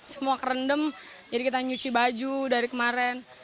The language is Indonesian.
semua kerendam jadi kita nyuci baju dari kemarin